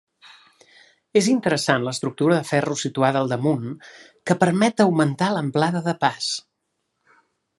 És interessant l'estructura de ferro situada al damunt que permet augmentar l'amplada de pas.